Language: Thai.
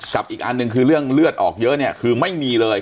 อีกอันหนึ่งคือเรื่องเลือดออกเยอะเนี่ยคือไม่มีเลย